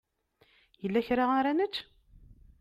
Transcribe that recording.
Yella kra ara nečč?